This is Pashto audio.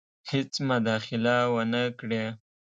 هیڅ مداخله ونه کړي.